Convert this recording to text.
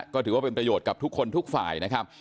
ก็ถือว่าเป็นประโยชน์กับทุกคนทุกฝ่ายนะครับ